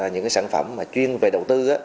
những sản phẩm chuyên về đầu tư